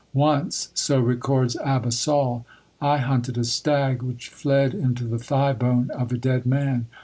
"Once," so records Abba Saul, "I hunted a stag which fled into the thigh bone of a dead man.